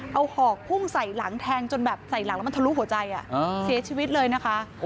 เอาหอกพุ่งใส่หลังแทงจนแบบใส่หลังแล้วมันทะลุหัวใจเสียชีวิตเลยนะคะ